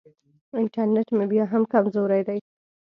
انټرنېټ مې بیا هم کمزوری دی.